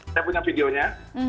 saya punya videonya